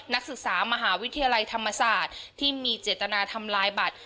นักศึกษามหาวิทยาลัยธรรมศาสตร์ที่มีเจตนาทำลายบัตร